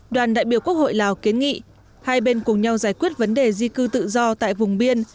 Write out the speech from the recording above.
đoàn đại biểu quốc hội lào kiến nghị hai bên cùng nhau giải quyết vấn đề di cư tự do tại vùng biên